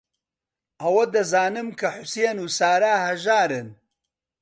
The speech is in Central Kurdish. ئەوە دەزانم کە حوسێن و سارا ھەژارن.